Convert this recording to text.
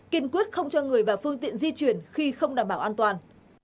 kiên quyết không cho người và phương tiện di chuyển khi không đảm bảo an toàn